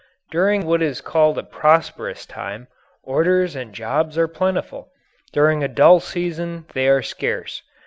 During what is called a prosperous time, orders and jobs are plentiful. During a "dull" season they are scarce.